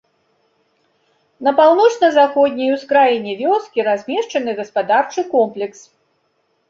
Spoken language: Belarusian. На паўночна-заходняй ускраіне вёскі размешчаны гаспадарчы комплекс.